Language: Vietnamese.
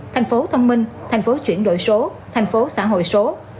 thành phố thông minh thành phố chuyển đổi số thành phố xã hội số